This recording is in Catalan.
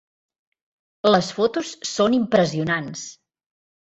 Les fotos són impressionants.